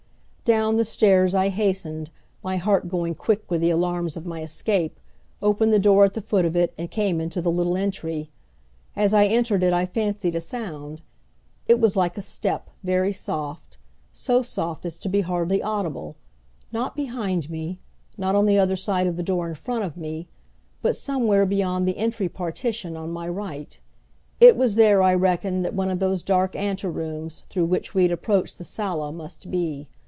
Down the stairs I hastened, my heart going quick with the alarms of my escape, opened the door at the foot of it and came into the little entry. As I entered it I fancied a sound. It was like a step, very soft, so soft as to be hardly audible, not behind me, not on the other side of the door in front of me, but somewhere beyond the entry partition on my right. It was there, I reckoned, that one of those dark anterooms, through which we had approached the sala, must be.